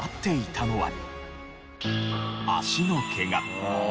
足のケガ。